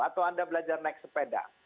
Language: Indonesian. atau anda belajar naik sepeda